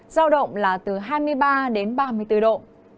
giao động là từ hai mươi ba đến ba mươi bốn độ